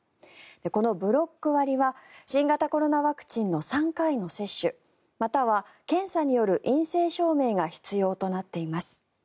このブロック割は新型コロナワクチンの３回の接種または検査による陰性証明が必要となっています。